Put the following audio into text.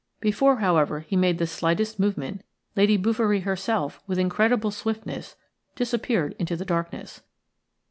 Before, however, he made the slightest movement Lady Bouverie herself with incredible swiftness disappeared into the darkness.